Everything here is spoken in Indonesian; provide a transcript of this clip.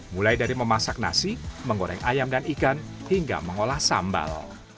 mulai dari memasak nasi menggoreng ayam dan ikan hingga mengolah sambal